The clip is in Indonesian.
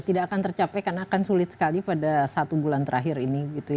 tidak akan tercapai karena akan sulit sekali pada satu bulan terakhir ini